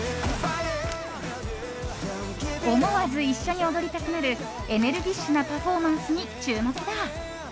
思わず一緒に踊りたくなるエネルギッシュなパフォーマンスに注目だ。